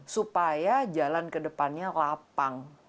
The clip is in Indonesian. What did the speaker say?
supaya jalan ke depannya lapang